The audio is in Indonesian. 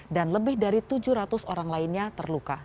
dan lebih dari tujuh ratus orang lainnya terluka